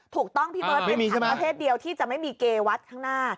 ถูกต้องพี่เบิร์ตเป็นถังประเภทเดียวที่จะไม่มีเกวัดข้างหน้า